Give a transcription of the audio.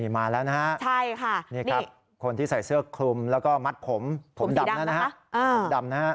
มาแล้วนะฮะใช่ค่ะนี่ครับคนที่ใส่เสื้อคลุมแล้วก็มัดผมผมดำแล้วนะฮะผมดำนะฮะ